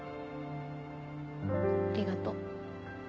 ありがとう。